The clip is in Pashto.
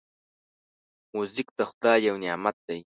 موزیک د خدای یو نعمت دی.